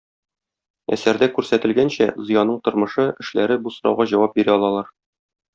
Әсәрдә күрсәтелгәнчә, Зыяның тормышы, эшләре бу сорауга җавап бирә алалар.